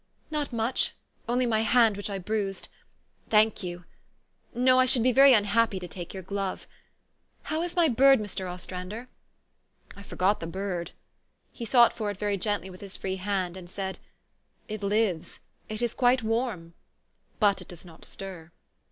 " "Not much. Only my hand which I bruised. Thank you ! No, I should be very unhappy to take your glove. How is my bird, Mr. Ostrander? "" I forgot the bird!" He sought for it very gently with his free hand, and said, "It lives. It is quite warm. But it does not stir."